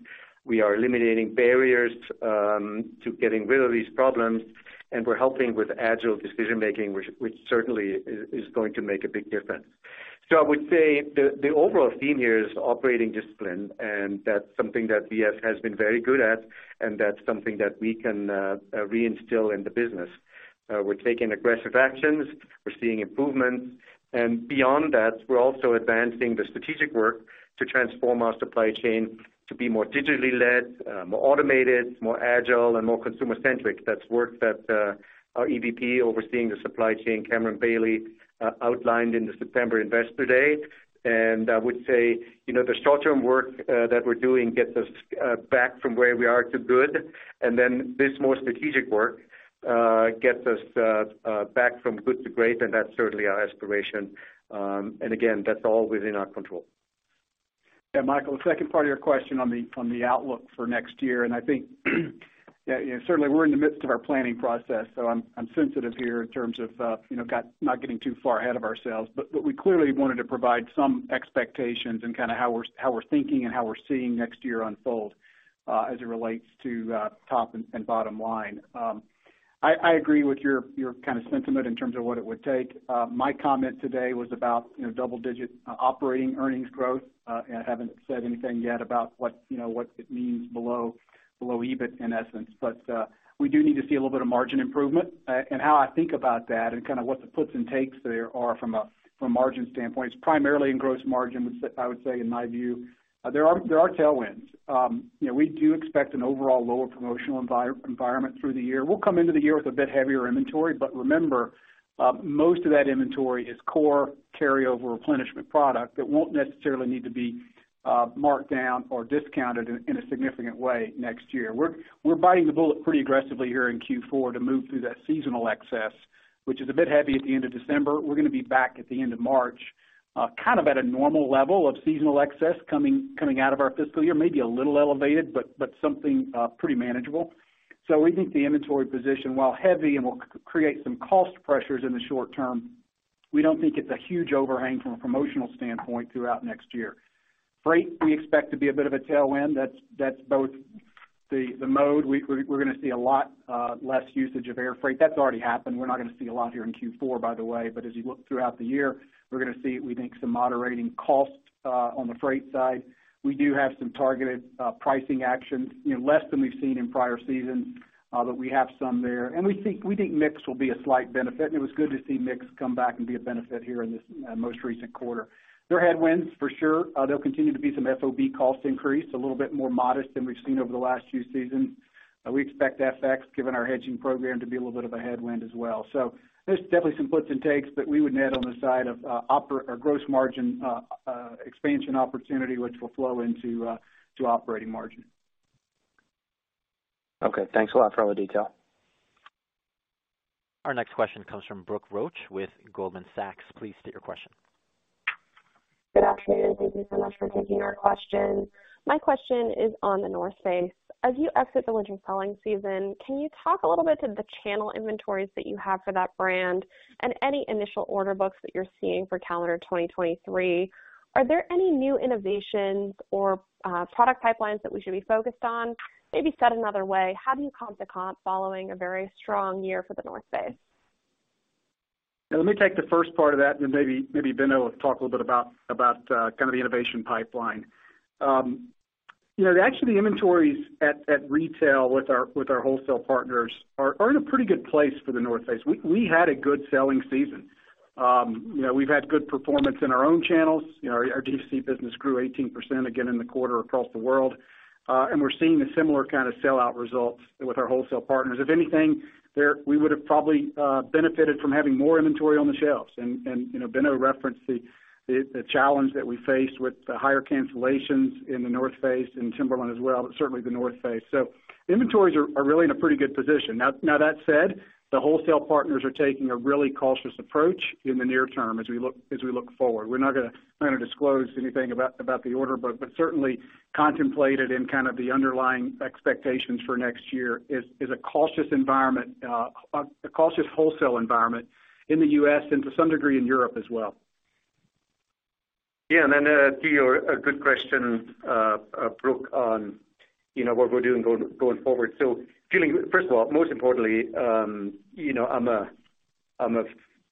We are eliminating barriers to getting rid of these problems, and we're helping with agile decision-making, which certainly is going to make a big difference. I would say the overall theme here is operating discipline, and that's something that VF has been very good at and that's something that we can reinstill in the business. We're taking aggressive actions. We're seeing improvements. Beyond that, we're also advancing the strategic work to transform our supply chain to be more digitally led, more automated, more agile, and more consumer-centric. That's work that our EVP overseeing the supply chain, Cameron Bailey, outlined in the September Investor Day. I would say, you know, the short-term work that we're doing gets us back from where we are to good. Then this more strategic work gets us back from good to great, and that's certainly our aspiration. Again, that's all within our control. Michael, the second part of your question on the outlook for next year, I think, certainly we're in the midst of our planning process, so I'm sensitive here in terms of, you know, not getting too far ahead of ourselves. But we clearly wanted to provide some expectations and kinda how we're thinking and how we're seeing next year unfold, as it relates to top and bottom line. I agree with your kinda sentiment in terms of what it would take. My comment today was about, you know, double-digit operating earnings growth. I haven't said anything yet about what, you know, what it means below EBIT in essence. We do need to see a little bit of margin improvement. How I think about that and what the puts and takes there are from a margin standpoint, it's primarily in gross margin, which I would say in my view. You know, we do expect an overall lower promotional environment through the year. We'll come into the year with a bit heavier inventory. Remember, most of that inventory is core carryover replenishment product that won't necessarily need to be marked down or discounted in a significant way next year. We're biting the bullet pretty aggressively here in Q4 to move through that seasonal excess, which is a bit heavy at the end of December. We're gonna be back at the end of March, kind of at a normal level of seasonal excess coming out of our fiscal year. Maybe a little elevated, but something pretty manageable. We think the inventory position, while heavy and will create some cost pressures in the short term, we don't think it's a huge overhang from a promotional standpoint throughout next year. Freight, we expect to be a bit of a tailwind. That's both the mode. We're gonna see a lot less usage of air freight. That's already happened. We're not gonna see a lot here in Q4, by the way. As you look throughout the year, we're gonna see, we think, some moderating cost on the freight side. We do have some targeted pricing actions, you know, less than we've seen in prior seasons, but we have some there. We think mix will be a slight benefit, and it was good to see mix come back and be a benefit here in this most recent quarter. There are headwinds for sure. There'll continue to be some FOB cost increase, a little bit more modest than we've seen over the last few seasons. We expect FX, given our hedging program, to be a little bit of a headwind as well. There's definitely some puts and takes, but we would net on the side of or gross margin expansion opportunity, which will flow into to operating margin. Okay, thanks a lot for all the detail. Our next question comes from Brooke Roach with Goldman Sachs. Please state your question. Good afternoon. Thank you so much for taking our question. My question is on The North Face. As you exit the winter selling season, can you talk a little bit to the channel inventories that you have for that brand and any initial order books that you're seeing for calendar 2023? Are there any new innovations or product pipelines that we should be focused on? Maybe said another way, how do you comp to comp following a very strong year for The North Face? Let me take the first part of that and then maybe Benno will talk a little bit about kinda the innovation pipeline. You know, actually the inventories at retail with our wholesale partners are in a pretty good place for The North Face. We had a good selling season. You know, we've had good performance in our own channels. You know, our D2C business grew 18% again in the quarter across the world. We're seeing a similar kinda sellout results with our wholesale partners. If anything, we would have probably benefited from having more inventory on the shelves. You know, Benno referenced the challenge that we face with the higher cancellations in The North Face and Timberland as well, but certainly The North Face. Inventories are really in a pretty good position. That said, the wholesale partners are taking a really cautious approach in the near term as we look forward. We're not gonna disclose anything about the order book, but certainly contemplated in kind of the underlying expectations for next year is a cautious environment, a cautious wholesale environment in the U.S. and to some degree in Europe as well. Yeah. A good question, Brooke, on You know what we're doing going forward. First of all, most importantly, you know, I'm a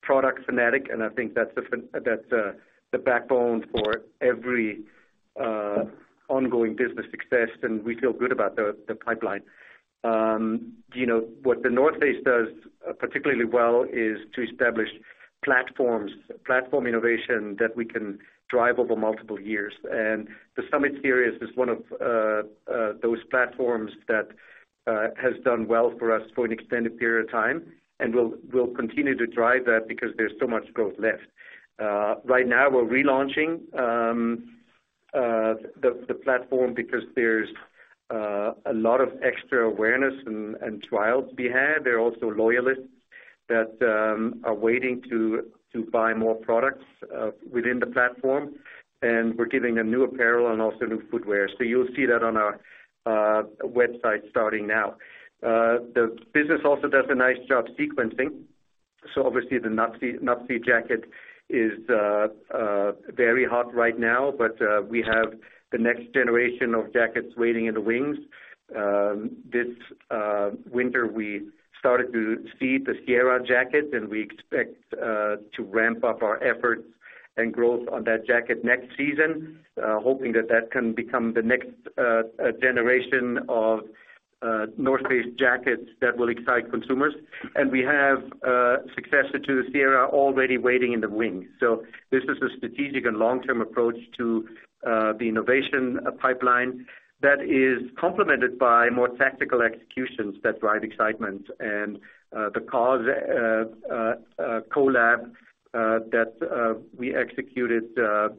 product fanatic, and I think that's the backbone for every ongoing business success, and we feel good about the pipeline. You know what The North Face does particularly well is to establish platforms, platform innovation that we can drive over multiple years. The Summit Series is one of those platforms that has done well for us for an extended period of time. We'll continue to drive that because there's so much growth left. Right now we're relaunching the platform because there's a lot of extra awareness and trials we had. There are also loyalists that are waiting to buy more products within the platform, and we're giving them new apparel and also new footwear. You'll see that on our website starting now. Obviously the Nuptse jacket is very hot right now. We have the next generation of jackets waiting in the wings. This winter we started to seed the Sierra jacket and we expect to ramp up our efforts and growth on that jacket next season, hoping that that can become the next generation of The North Face jackets that will excite consumers. We have successor to the Sierra already waiting in the wings. This is a strategic and long-term approach to the innovation pipeline that is complemented by more tactical executions that drive excitement. The KAWS collab that we executed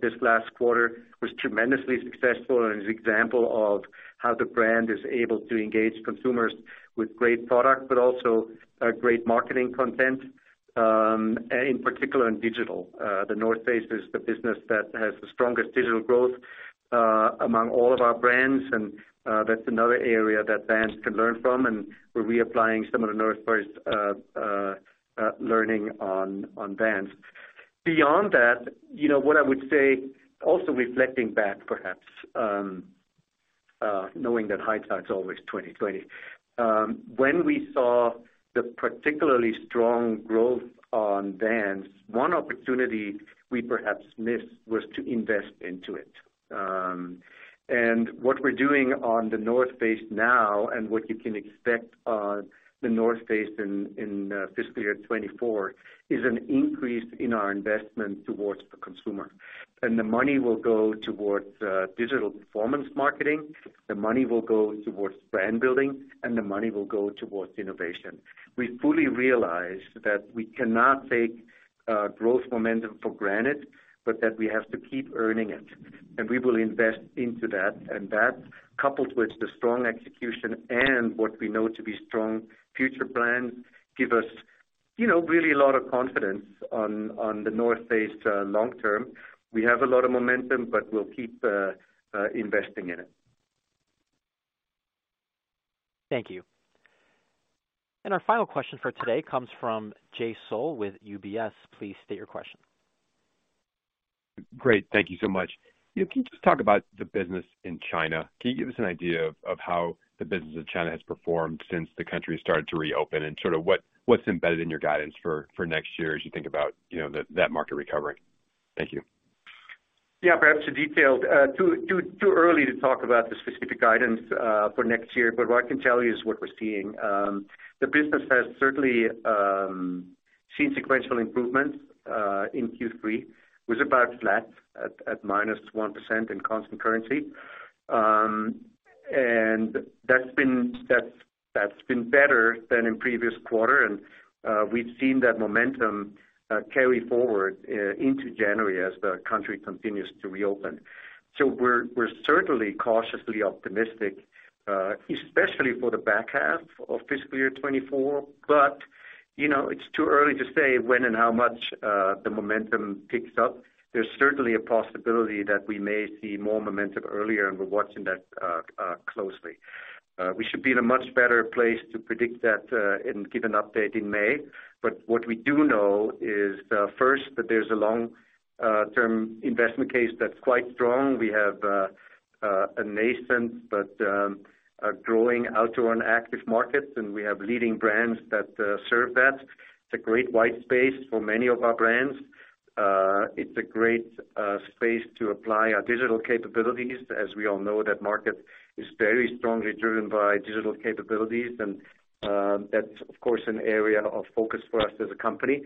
this last quarter was tremendously successful and is example of how the brand is able to engage consumers with great product, but also great marketing content, in particular in digital. The North Face is the business that has the strongest digital growth among all of our brands. That's another area that Vans can learn from. We're reapplying some of The North Face learning on Vans. Beyond that, you know, what I would say, also reflecting back perhaps, knowing that hindsight's always 20/20. When we saw the particularly strong growth on Vans, one opportunity we perhaps missed was to invest into it. What we're doing on The North Face now and what you can expect on The North Face in fiscal year 2024 is an increase in our investment towards the consumer. The money will go towards digital performance marketing. The money will go towards brand building, and the money will go towards innovation. We fully realize that we cannot take growth momentum for granted, but that we have to keep earning it, and we will invest into that. That, coupled with the strong execution and what we know to be strong future plans, give us, you know, really a lot of confidence on The North Face long term. We have a lot of momentum, but we'll keep investing in it. Thank you. Our final question for today comes from Jay Sole with UBS. Please state your question. Great. Thank you so much. Can you just talk about the business in China? Can you give us an idea of how the business in China has performed since the country started to reopen? Sort of what's embedded in your guidance for next year as you think about, you know, that market recovering? Thank you. Yeah. Perhaps too detailed. Too early to talk about the specific guidance for next year, but what I can tell you is what we're seeing. The business has certainly seen sequential improvements in Q3. Was about flat at minus 1% in constant currency. That's been better than in previous quarter. We've seen that momentum carry forward into January as the country continues to reopen. We're certainly cautiously optimistic especially for the back half of fiscal year 2024. You know, it's too early to say when and how much the momentum picks up. There's certainly a possibility that we may see more momentum earlier, and we're watching that closely. We should be in a much better place to predict that and give an update in May. What we do know is, first, that there's a long-term investment case that's quite strong. We have a nascent but a growing outdoor and active market, and we have leading brands that serve that. It's a great white space for many of our brands. It's a great space to apply our digital capabilities. As we all know, that market is very strongly driven by digital capabilities and that's of course an area of focus for us as a company.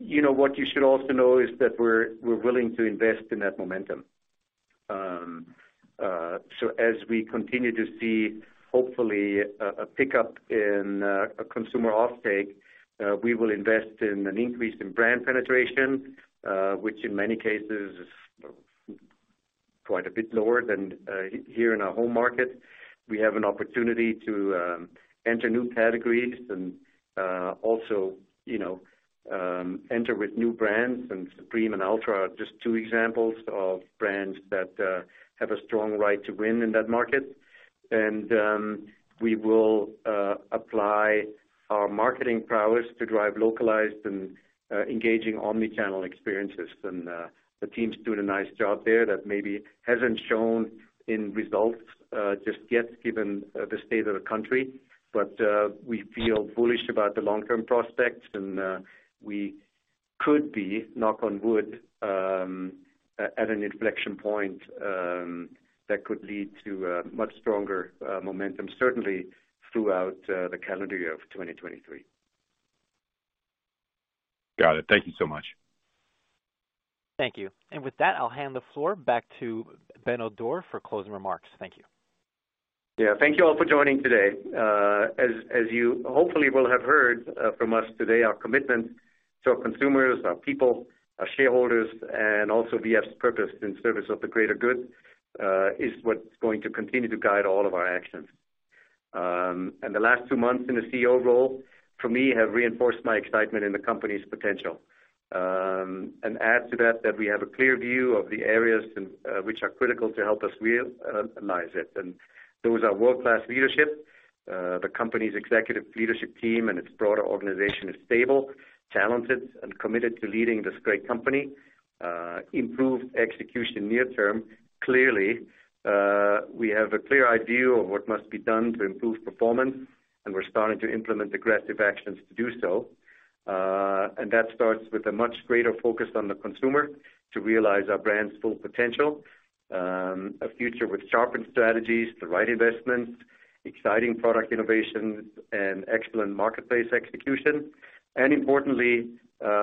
You know, what you should also know is that we're willing to invest in that momentum. As we continue to see hopefully a pickup in consumer offtake, we will invest in an increase in brand penetration, which in many cases is quite a bit lower than here in our home market. We have an opportunity to enter new categories and also, you know, enter with new brands. Supreme and Altra are just two examples of brands that have a strong right to win in that market. We will apply our marketing prowess to drive localized and engaging omni-channel experiences. The team's doing a nice job there that maybe hasn't shown in results just yet given the state of the country. We feel bullish about the long-term prospects, and we could be, knock on wood, at an inflection point that could lead to a much stronger momentum, certainly throughout the calendar year of 2023. Got it. Thank you so much. Thank you. With that, I'll hand the floor back to Benno Dorer for closing remarks. Thank you. Yeah. Thank you all for joining today. As you hopefully will have heard from us today, our commitment to our consumers, our people, our shareholders, and also VF's purpose in service of the greater good, is what's going to continue to guide all of our actions. The last two months in the CEO role, for me, have reinforced my excitement in the company's potential. Add to that we have a clear view of the areas which are critical to help us realize it. Those are world-class leadership. The company's executive leadership team and its broader organization is stable, talented, and committed to leading this great company. Improved execution near term. Clearly, we have a clear idea of what must be done to improve performance, and we're starting to implement aggressive actions to do so. That starts with a much greater focus on the consumer to realize our brand's full potential. A future with sharpened strategies, the right investments, exciting product innovations, and excellent marketplace execution, and importantly,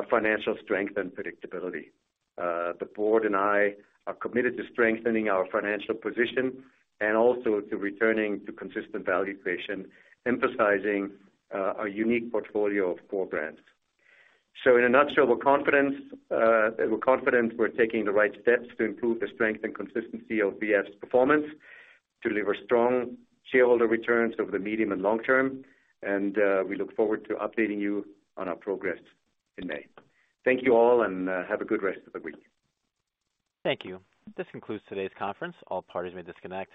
financial strength and predictability. The board and I are committed to strengthening our financial position and also to returning to consistent value creation, emphasizing, our unique portfolio of core brands. In a nutshell, we're confident we're taking the right steps to improve the strength and consistency of VF's performance to deliver strong shareholder returns over the medium and long term. We look forward to updating you on our progress in May. Thank you all, and, have a good rest of the week. Thank you. This concludes today's conference. All parties may disconnect.